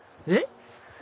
えっ？